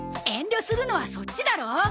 遠慮するのはそっちだろ！